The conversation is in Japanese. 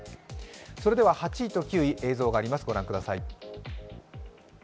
それでは８位と９位、映像があります